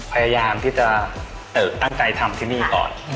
พยายามที่จะตั้งใจทำที่นี่ก่อน